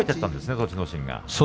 栃ノ心は。